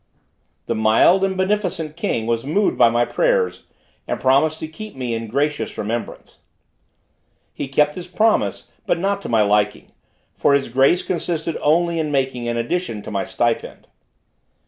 The mild and beneficent king was moved by my prayers, and promised to keep me in gracious remembrance. He kept his promise, but not to my liking, for his grace consisted only in making an addition to my stipend.